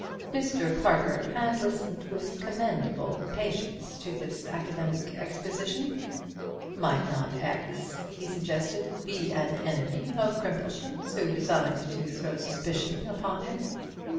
Mr. Parker had listened with commendable patience to this academic exposition. "Might not X," he suggested, "be an enemy of Crimplesham's, who designed to throw suspicion upon him?"